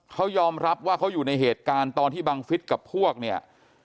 เขายอมรับว่าเขาอยู่ในเหตุการณ์ตอนที่บังฟิศกับพวกเนี่ย